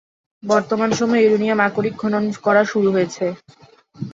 বর্তমান সময়ে ইউরেনিয়াম আকরিক খনন করা শুরু হয়েছে।